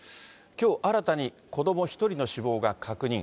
きょう新たに子ども１人の死亡が確認。